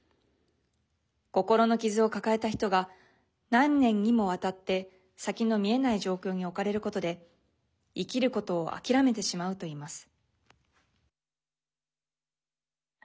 心の傷を抱えた人が何年にもわたって先の見えない状況に置かれることで生きることをあきらめてしまうといいます。